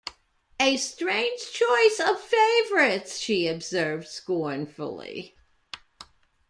‘A strange choice of favourites!’ she observed scornfully.